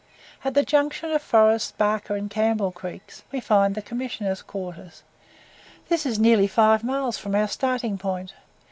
At the junction of Forest, Barker, and Campbell Creeks we find the Commissioners' quarters this is nearly five miles from our starting point.